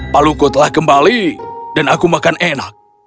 palu ku telah kembali dan aku makan enak